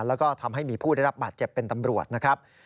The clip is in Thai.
แล้วก็ทำให้มีผู้ได้รับบาดเจ็บเป็นตำรวจนะครับ